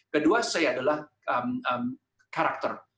kedua c adalah karakter